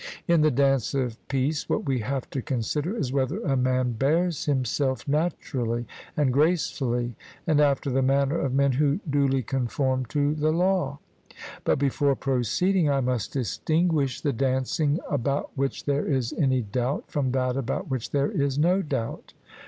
In the dance of peace what we have to consider is whether a man bears himself naturally and gracefully, and after the manner of men who duly conform to the law. But before proceeding I must distinguish the dancing about which there is any doubt, from that about which there is no doubt.